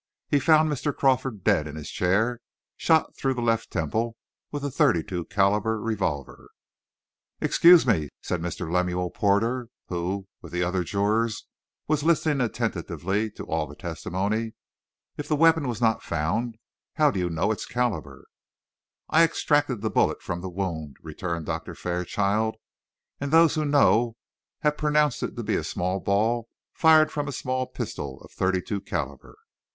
He found Mr. Crawford dead in his chair, shot through the left temple with a thirty two calibre revolver. "Excuse me," said Mr. Lemuel Porter, who, with the other jurors, was listening attentively to all the testimony. "If the weapon was not found, how do you know its calibre?" "I extracted the bullet from the wound," returned Doctor Fairchild, "and those who know have pronounced it to be a ball fired from a small pistol of thirty two calibre."